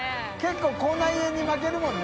觜口内炎に負けるもんね。